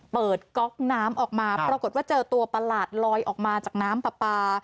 ก๊อกน้ำออกมาปรากฏว่าเจอตัวประหลาดลอยออกมาจากน้ำปลาปลา